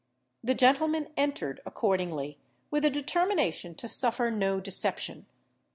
The gentlemen entered accordingly, with a determination to suffer no deception.